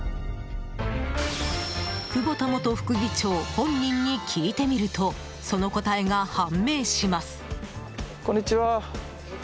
久保田元副議長本人に聞いてみるとその答えが判明します。